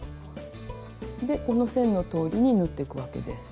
この線のとおりに縫っていくわけです。